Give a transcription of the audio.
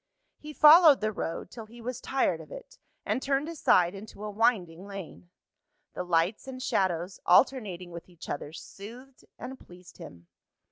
He followed the road till he was tired of it, and turned aside into a winding lane. The lights and shadows, alternating with each other, soothed and pleased him.